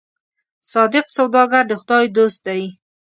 صادق سوداګر د خدای دوست دی.